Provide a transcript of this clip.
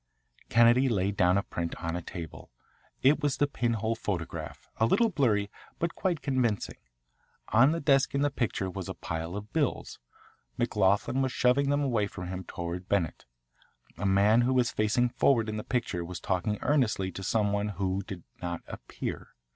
Kennedy laid down a print on a table. It was the pinhole photograph, a little blurry, but quite convincing. On a desk in the picture was a pile of bills. McLoughlin was shoving them away from him toward Bennett. A man who was facing forward in the picture was talking earnestly to some one who did not appear.